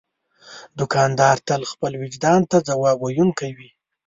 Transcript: دوکاندار تل خپل وجدان ته ځواب ویونکی وي.